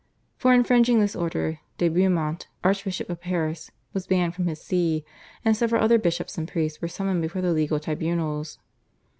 For infringing this order de Beaumont, Archbishop of Paris, was banished from his See, and several other bishops and priests were summoned before the legal tribunals.